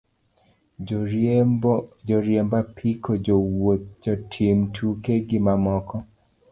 Joriembo apiko, jowuoth, jotimo tuke, gi mamoko.